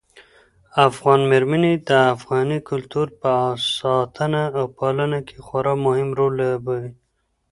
افغان مېرمنې د افغاني کلتور په ساتنه او پالنه کې خورا مهم رول لوبوي.